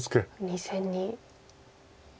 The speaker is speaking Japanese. ２線に。